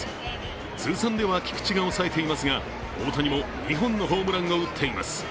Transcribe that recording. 通算では菊池が抑えていますが大谷も２本のホームランを打っています。